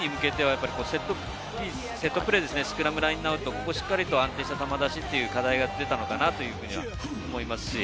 ウルグアイは次に向けてセットプレーですね、スクラムラインアウト、ここをしっかり安定した球出しという課題が出たのかなと思います。